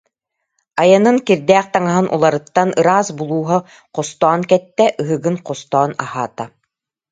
Айанын кирдээх таҥаһын уларыттан, ыраас булууһа хостоон кэттэ, ыһыгын хостоон аһаата